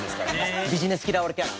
ビジネス嫌われキャラ。